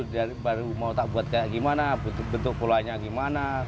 dia baru mau tak buat kayak gimana bentuk polanya gimana